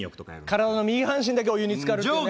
体の右半身だけお湯につかるっていう。